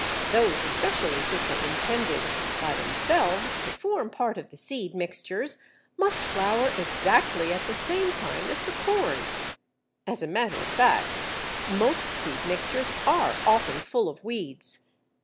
Those especially which are intended (by themselves) to form part of the seed mixtures must flower exactly at the same time as the corn. As a matter of fact, most seed mixtures are often full of weeds.